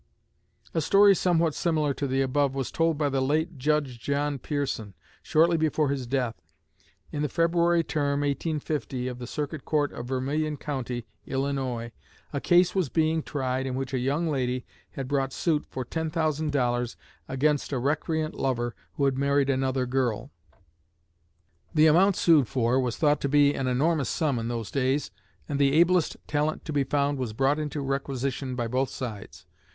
A story somewhat similar to the above was told by the late Judge John Pearson shortly before his death. In the February term, 1850, of the Circuit Court of Vermilion County, Illinois, a case was being tried in which a young lady had brought suit for $10,000 against a recreant lover who had married another girl. The amount sued for was thought to be an enormous sum in those days, and the ablest talent to be found was brought into requisition by both sides.